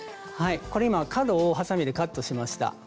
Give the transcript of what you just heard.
はいこれ今角をハサミでカットしました。